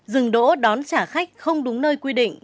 dừng đỗ đón trả khách không đúng nơi quy định